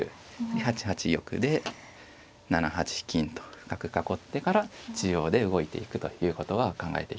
８八玉で７八金と深く囲ってから中央で動いていくということは考えていきたいです。